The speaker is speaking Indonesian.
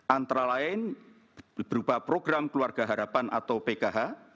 antara lain berupa program keluarga harapan atau pkh